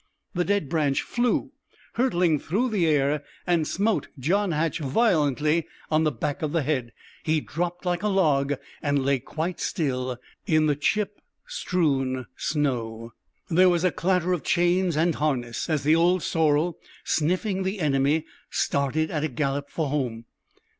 The dead branch flew hurtling through the air and smote John Hatch violently on the back of the head. He dropped like a log and lay quite still in the chip strewn snow. There was a clatter of chains and harness, as the old sorrel, sniffing the enemy, started at a gallop for home.